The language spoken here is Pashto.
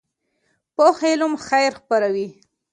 پوخ علم خیر خپروي